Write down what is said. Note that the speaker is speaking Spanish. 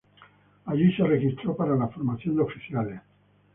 Allí se registró para la formación de oficiales.